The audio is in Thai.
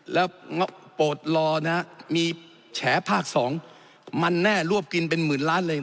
แล้วโปรดลอน่ะมีแฉภาค๒มันแน่รวบกินเป็น๑๐๐๐๐ล้านเลย